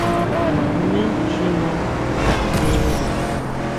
¿Jmé xi ʼma nganderi?